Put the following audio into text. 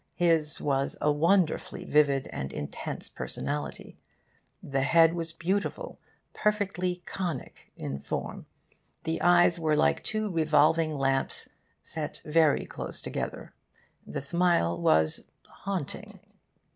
His was a wonderfully vivid and intense personality. The head was beautiful, perfectly conic in form. The eyes were like two revolving lamps, set very close together. The smile was haunting.